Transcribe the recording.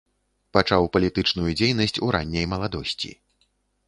Пачаў палітычную дзейнасць у ранняй маладосці.